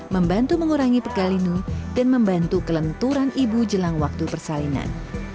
membantu mengurangi pegalinu dan membantu kelenturan ibu jelang waktu persalinan